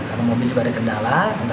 karena mobil juga ada kendala